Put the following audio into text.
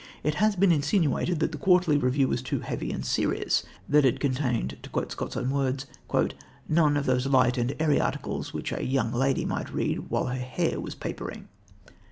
It has been insinuated that the Quarterly Review was too heavy and serious, that it contained, to quote Scott's own words, "none of those light and airy articles which a young lady might read while her hair was papering."